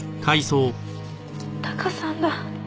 タカさんだ。